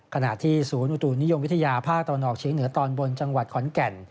ขณะที่ศูนย์อุตุนิยมวิทยาภาคตะวันออกเชียงเหนือตอนบนจังหวัดขอนแก่น